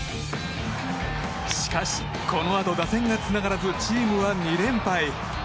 しかしこのあと打線がつながらずチームは２連敗。